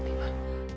kamu yang tega